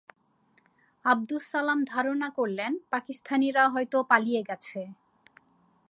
আবদুস সালাম ধারণা করলেন, পাকিস্তানিরা হয়তো পালিয়ে গেছে।